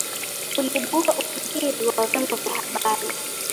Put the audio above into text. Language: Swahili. Uliibuka utitiri wa vyombo vya habari